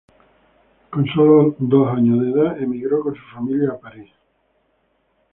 Con sólo dos años de edad, emigró con su familia a París.